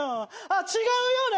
違うよね！